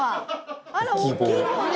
あら大きい棒ね！